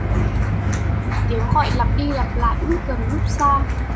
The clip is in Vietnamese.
tiếng gọi lặp đi lặp lại, lúc gần lúc xa